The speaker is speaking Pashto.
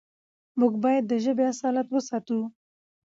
موږ بايد د ژبې اصالت وساتو.